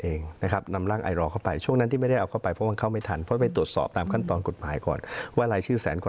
อันนี้รับฟังได้นะแต่ว่าสิ่งที่คุณเปียรัฐกำลังจะบอกดิฉันว่า